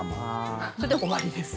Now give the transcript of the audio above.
それで終わりです。